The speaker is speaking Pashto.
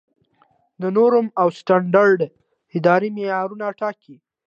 د نورم او سټنډرډ اداره معیارونه ټاکي؟